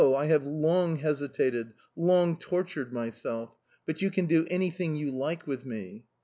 I have long hesitated, long tortured myself... But you can do anything you like with me."